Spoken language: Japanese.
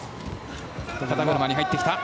肩車に入ってきた。